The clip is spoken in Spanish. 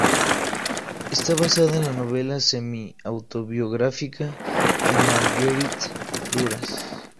Está basada en la novela semiautobiográfica de Marguerite Duras.